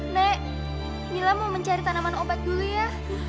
nek mila mau mencari tanaman obat dulu ya